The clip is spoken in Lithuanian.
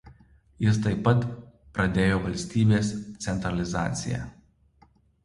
Jis taip pat pradėjo valstybės centralizaciją.